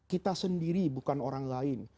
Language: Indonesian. kita sendiri bukan orang lain